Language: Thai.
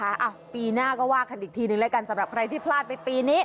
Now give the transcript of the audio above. อ้าวปีหน้าก็ว่ากันอีกทีนึงแล้วกันสำหรับใครที่พลาดไปปีนี้